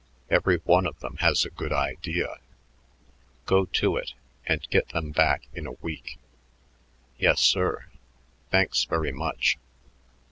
"Every one of them has a good idea. Go to it and get them back in a week." "Yes, sir. Thanks very much."